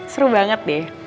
seru banget deh